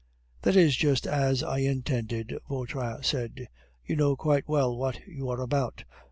"That is just as I intended." Vautrin said. "You know quite well what you are about.